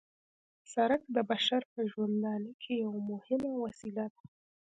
سرک د بشر په ژوندانه کې یوه مهمه وسیله ده